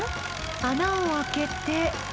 穴を開けて。